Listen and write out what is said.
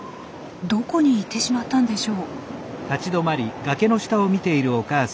どこに行ってしまったんでしょう？